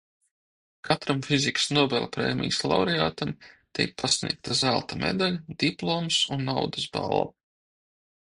Katram fizikas Nobela prēmijas laureātam tiek pasniegta zelta medaļa, diploms un naudas balva.